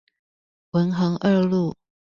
文橫二路